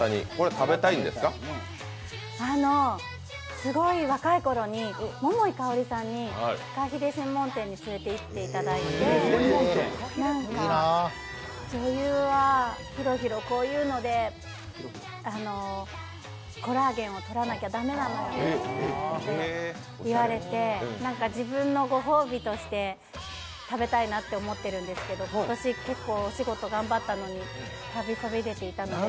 すごい若いころに桃井かおりさんにふかひれ専門店に連れていっていただいて女優はヒロヒロ、こういうので、コラーゲンを取らなきゃ駄目なのって言われて、自分のご褒美として食べたいなって思ってるんですけれども、今年、結構お仕事頑張ったのに食べそびれていて。